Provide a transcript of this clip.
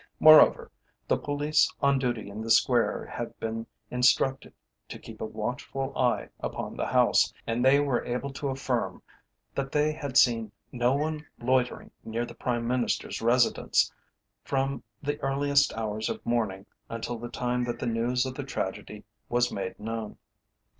Moreover, the police on duty in the Square had been instructed to keep a watchful eye upon the house, and they were able to affirm that they had seen no one loitering near the Prime Minister's residence from the earliest hours of morning until the time that the news of the tragedy was made known.